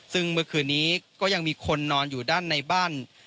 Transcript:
ซึ่งเมื่อคืนนี้ก็ยังมีคนนอนอยู่ด้านในบ้าน